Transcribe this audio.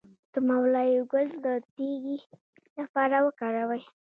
د مولی ګل د تیږې لپاره وکاروئ